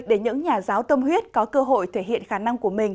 để những nhà giáo tâm huyết có cơ hội thể hiện khả năng của mình